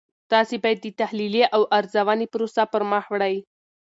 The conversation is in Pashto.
تاسې باید د تحلیلي او ارزونې پروسه پرمخ وړئ.